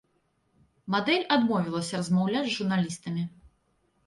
Мадэль адмовілася размаўляць з журналістамі.